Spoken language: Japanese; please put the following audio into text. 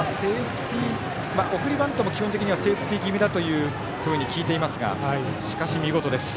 送りバントも基本的にはセーフティー気味だというふうに聞いていますが、しかし見事です。